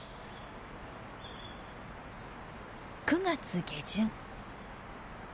９月下旬。